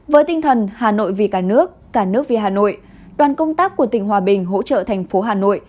với tinh thần hà nội vì cả nước cả nước vì hà nội đoàn công tác của tỉnh hòa bình hỗ trợ thành phố hà nội